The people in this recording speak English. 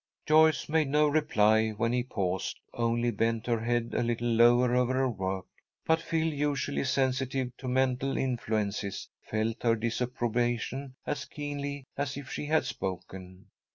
Joyce made no reply when he paused, only bent her head a little lower over her work; but Phil, unusually sensitive to mental influences, felt her disapprobation as keenly as if she had spoken.